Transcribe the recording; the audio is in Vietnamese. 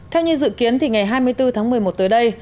theo như dự kiến thì ngày hai mươi bốn tháng một mươi một tới đây